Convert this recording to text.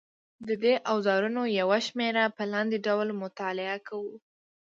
د دې اوزارونو یوه شمېره په لاندې ډول مطالعه کوو.